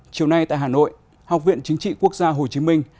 chiều nay tại hà nội học viện chính trị quốc gia hồ chí minh